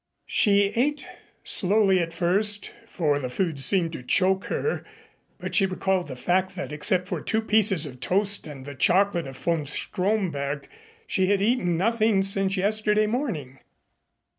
She ate, slowly at first, for the food seemed to choke her, but she recalled the fact that except for two pieces of toast and the chocolate of von Stromberg she had eaten nothing since yesterday morning.